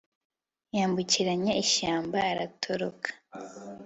yambukiranya ishyamba aratoroka